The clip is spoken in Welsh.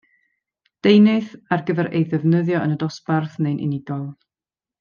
Deunydd ar gyfer ei ddefnyddio yn y dosbarth neu'n unigol.